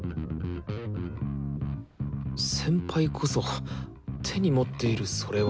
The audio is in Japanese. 先輩こそ手に持っているそれは。